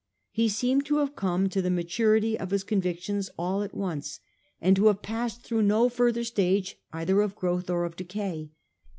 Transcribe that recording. He seemed to have come to the maturity of his con victions all at once, and to have passed through no further change either of growth or of decay.